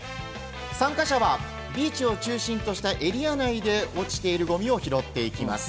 参加者はビーチを中心としたエリア内で落ちているゴミを拾っていきます。